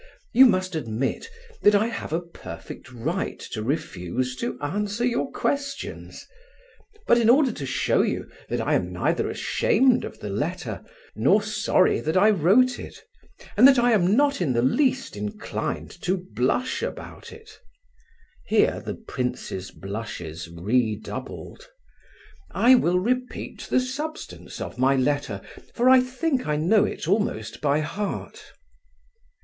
You must admit that I have a perfect right to refuse to answer your questions; but, in order to show you that I am neither ashamed of the letter, nor sorry that I wrote it, and that I am not in the least inclined to blush about it" (here the prince's blushes redoubled), "I will repeat the substance of my letter, for I think I know it almost by heart."